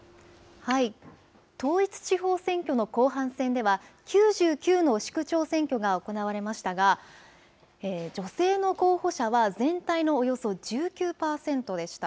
統一地方選挙の後半戦では９９の市区長選挙が行われましたが女性の候補者は全体のおよそ１９％でした。